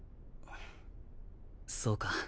そうか。